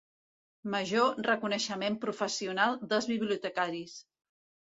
Major reconeixement professional dels bibliotecaris.